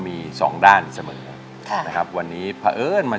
นี่เรารักกันเป็นความรักกันเวลาที่เจอเราจะก็หาย